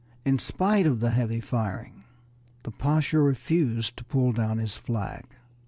In spite of the heavy firing the Pasha refused to pull down his flag.